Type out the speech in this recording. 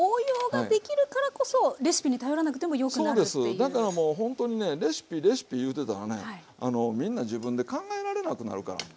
だからもうほんとにねレシピレシピ言うてたらねみんな自分で考えられなくなるから。